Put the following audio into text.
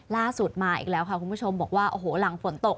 ล่าสุดมาอีกแล้วค่ะคุณผู้ชมบอกว่าโอ้โหหลังฝนตก